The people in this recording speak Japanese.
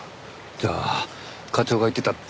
じゃあ課長が言ってたでかい音って。